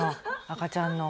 赤ちゃんの。